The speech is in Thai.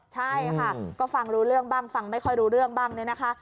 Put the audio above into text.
ใช่ค่ะก็ฟังรู้เรื่องบ้างฟังไม่ค่อยรู้เรื่องบ้างเนี่ยนะคะ